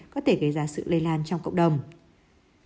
có thể gây ra sự lây lan trong cộng đồng